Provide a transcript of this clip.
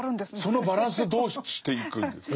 そのバランスはどうしていくんですか？